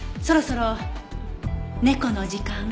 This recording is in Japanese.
そろそろ猫の時間。